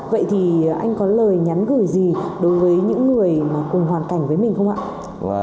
vậy thì anh có lời nhắn gửi gì đối với những người mà cùng hoàn cảnh với mình không ạ